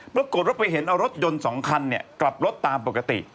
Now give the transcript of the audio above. ปรากฏว่าไปเห็นเอารถยนต์๒คันกลับรถตามปกติ